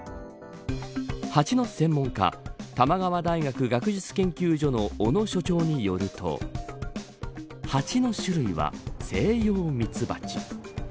ハチの専門家玉川大学学術研究所の小野所長によるとハチの種類はセイヨウミツバチ。